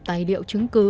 tài liệu chứng cứ